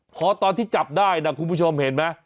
พอตอนที่จับได้นะคุณผู้ชมเห็นไหม